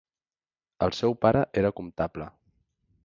El seu pare era comptable.